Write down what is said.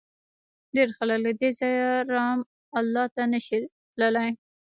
ډېر خلک له دې ځایه رام الله ته نه شي تللی.